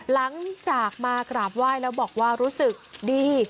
หลังจากมากราบไหว้แล้วบอกว่ารู้สึกดี